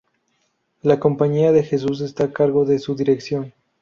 La Compañía de Jesús está a cargo de su dirección.